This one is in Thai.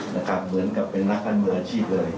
เหมือนกับเป็นนักการเมืองอาชีพเลย